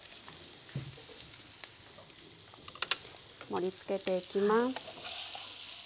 盛りつけていきます。